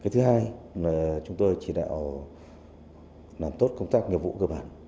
thứ hai là chúng tôi chỉ đạo làm tốt công tác nghiệp vụ cơ bản